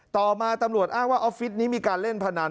ต่อมาตำรวจอ้างว่าออฟฟิศนี้มีการเล่นพนัน